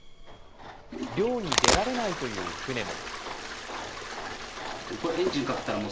漁に出られないという船も。